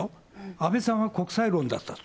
安倍さんは国債論だったと。